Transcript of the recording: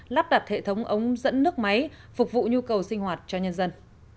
lắp đặt hệ thống ống dẫn nước máy phục vụ nhu cầu sinh hoạt cho nhân dân